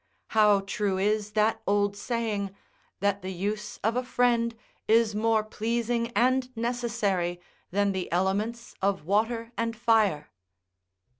how true is that old saying, that the use of a friend is more pleasing and necessary than the elements of water and fire!